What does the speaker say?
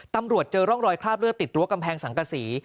ตำรวจเจอร่องรอยคราบเลือดติดรั้วกำแพงสังกษี